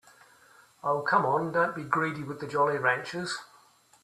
Oh, come on, don't be greedy with the Jolly Ranchers.